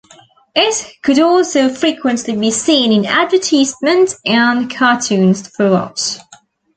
It could also frequently be seen in advertisements and cartoons throughout.